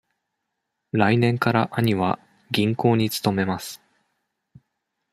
来年から兄は銀行に勤めます。